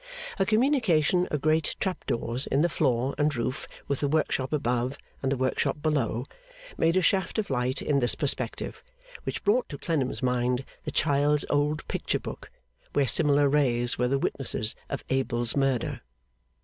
A communication of great trap doors in the floor and roof with the workshop above and the workshop below, made a shaft of light in this perspective, which brought to Clennam's mind the child's old picture book, where similar rays were the witnesses of Abel's murder.